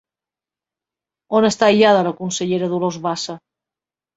On està aïllada la consellera Dolors Bassa?